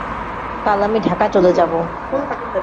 কাল আমি ঢাকা চলে যাব।